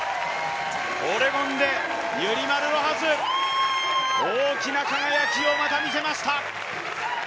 オレゴンでユリマル・ロハス大きな輝きをまた見せました。